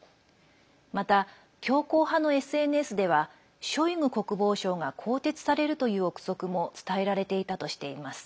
また、強硬派のＳＮＳではショイグ国防相が更迭されるという憶測も伝えられていたとしています。